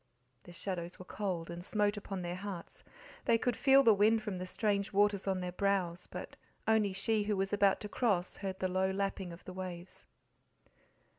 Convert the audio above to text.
The shadows were cold, and smote upon their hearts; they could feel the wind from the strange waters on their brows; but only she who was about to cross heard the low lapping of the waves.